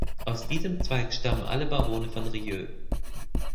Aus diesem Zweig stammen alle Barone von Rieux.